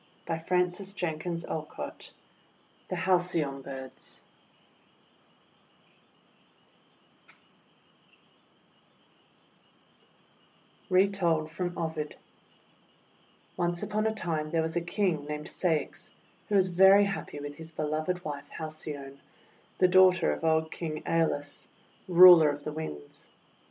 BARING GOULD (retold) THE HALCYON BIRDS Retold from Ovid ONCE upon a time, there was a King named Ceyx, who was very happy with his beloved wife Haley one, the daughter of old King ^Eolus, ruler of the Winds.